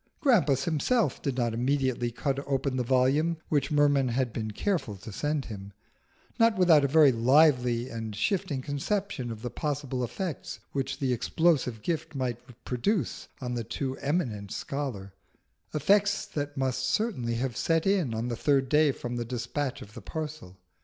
Grampus himself did not immediately cut open the volume which Merman had been careful to send him, not without a very lively and shifting conception of the possible effects which the explosive gift might produce on the too eminent scholar effects that must certainly have set in on the third day from the despatch of the parcel.